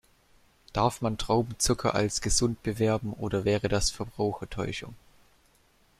Darf man Traubenzucker als gesund bewerben, oder wäre das Verbrauchertäuschung?